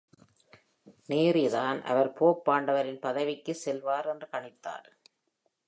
Neri தான் அவர் pope ஆண்டவரின் பதவிக்கு செல்வார் என்று கணித்தார்.